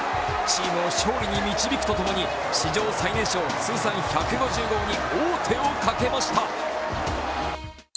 チームを勝利に導くとともに通算１５０号に王手をかけました。